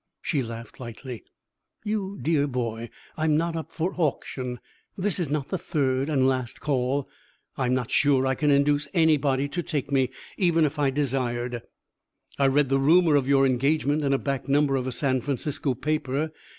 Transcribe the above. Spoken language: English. She laughed lightly. "You dear boy, I am not up for auction. This is not the 'third and last call.' I am not sure I could induce anybody to take me, even if I desired." "I read the rumor of your engagement in a back number of a San Francisco paper.